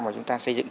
mà chúng ta xây dựng